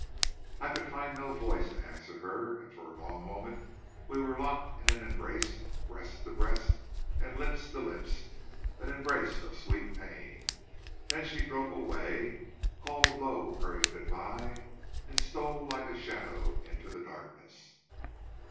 I could find no voice to answer her, and for a long moment we were locked in an embrace, breast to breast and lips to lips, an embrace of sweet pain. Then she broke away, called a low, hurried good by, and stole like a shadow into the darkness.